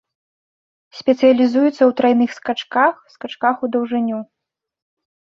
Спецыялізуецца ў трайных скачках, скачках у даўжыню.